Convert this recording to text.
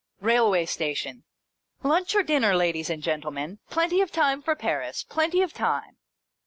Railway station. " Lunch or dinner, ladies and gentlemen. Plenty of time for Paris. Plenty of time